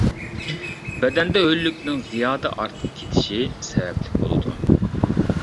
بەدەندە ھۆللۈكنىڭ زىيادە ئارتىپ كېتىشى سەۋەبلىك بولىدۇ.